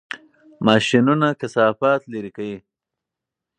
ماشینونه کثافات لرې کوي.